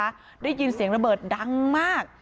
ร้อยเมตรเองนะคะได้ยินเสียงระเบิดดังมาก